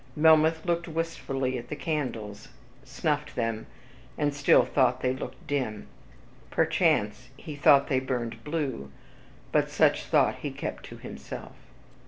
Melmoth looked wistfully at the candles, snuffed them, and still thought they looked dim, (perchance he thought they burned blue, but such thought he kept to himself).